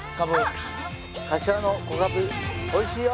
柏の小かぶおいしいよ。